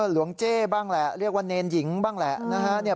หลวงเจ้บ้างแหละเรียกว่าเนรหญิงบ้างแหละนะฮะ